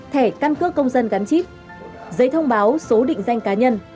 thẻ căn cước công dân gắn chip giấy thông báo số định danh cá nhân